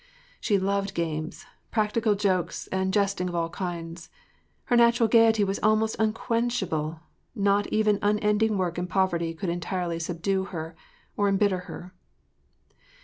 She loved games, practical jokes and jesting of all kinds. Her natural gayety was almost unquenchable; not even unending work and poverty could entirely subdue her or embitter her.